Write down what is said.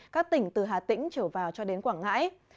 các tỉnh từ hà tĩnh trở vào cho đến quảng ngãi